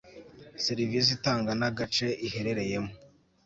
serivisi itanga n agace iherereyemo